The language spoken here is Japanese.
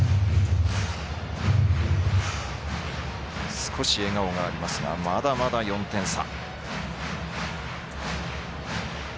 少し笑顔がありますがまだまだ４点差。